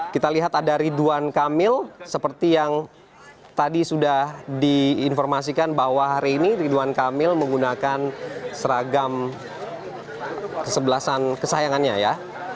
kita lihat ada ridwan kamil seperti yang tadi sudah diinformasikan bahwa hari ini ridwan kamil menggunakan seragam kesebelasan kesayangannya ya